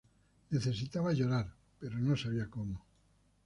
Necesitaba llorar, pero no sabía cómo.